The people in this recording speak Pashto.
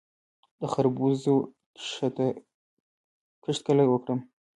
د خربوزو کښت کله وکړم؟